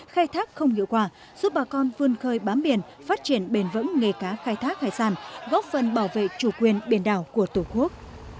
khai thác không hiệu quả giúp bà con vươn khơi bám biển phát triển bền vững nghề cá khai thác hải sản góp phần bảo vệ chủ quyền biển đảo của tổ quốc